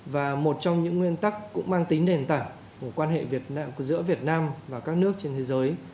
và một trong những nguyên tắc cũng mang tính nền tảng của quan hệ giữa việt nam và các nước trên thế giới